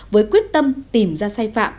với quyết tâm tìm ra sai phạm